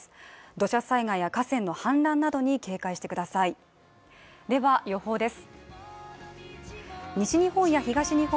土砂災害や河川の氾濫などに警戒してくださいでは予報です。